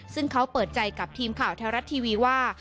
ซึ่งเขาเปิดใจกับทีมข่าวแท้รัฐทีวีว่า